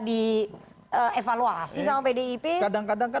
dievaluasi sama pdip kadang kadang kan